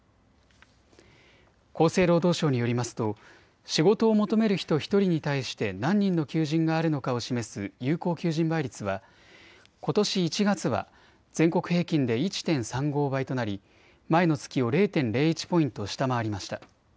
厚生労働省によりますと仕事を求める人１人に対して何人の求人があるのかを示す有効求人倍率はことし１月は全国平均で１．３５倍となり前の月を０．０１ポイント下回りました。